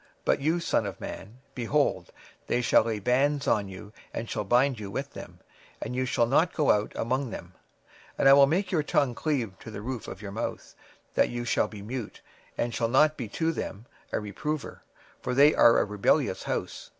26:003:025 But thou, O son of man, behold, they shall put bands upon thee, and shall bind thee with them, and thou shalt not go out among them: 26:003:026 And I will make thy tongue cleave to the roof of thy mouth, that thou shalt be dumb, and shalt not be to them a reprover: for they are a rebellious house.